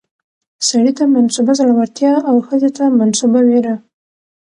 سړي ته منسوبه زړورتيا او ښځې ته منسوبه ويره